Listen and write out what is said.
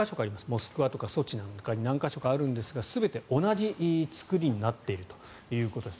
モスクワとかソチだとかに何か所かあるんですが全て同じ造りになっているということです。